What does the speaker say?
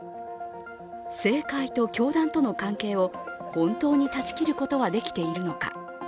政界と教団との関係を本当に断ち切ることはできているのか。